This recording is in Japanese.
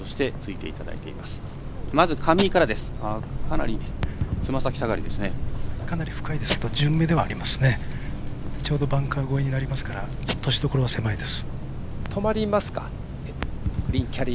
ちょうど、バンカー越えになりますから落としどころは深いです。